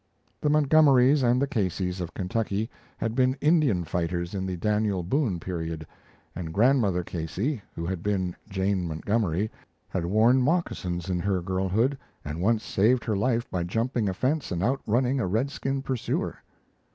The Montgomeries and the Caseys of Kentucky had been Indian fighters in the Daniel Boone period, and grandmother Casey, who had been Jane Montgomery, had worn moccasins in her girlhood, and once saved her life by jumping a fence and out running a redskin pursuer.